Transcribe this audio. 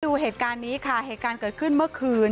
ดูเหตุการณ์นี้ค่ะเหตุการณ์เกิดขึ้นเมื่อคืน